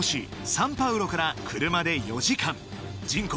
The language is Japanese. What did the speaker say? サンパウロから車で４時間人口